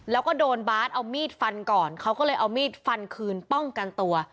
แล้วก็โดนบาสเอามีดฟันก่อนเขาก็เลยเอามีดฟันคืนป้องกันตัว